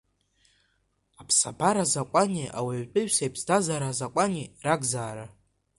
Аԥсабара азакәани ауаҩытәыҩса иԥсҭазаара азакәани ракзаара!